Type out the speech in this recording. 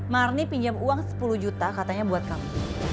marni pinjam uang sepuluh juta katanya buat kamu